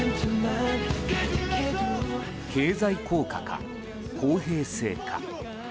経済効果か、公平性か。